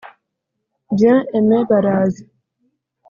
Bien Aime Baraza